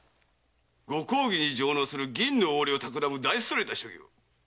ご公儀に上納する銀の横領を企むだいそれた所業。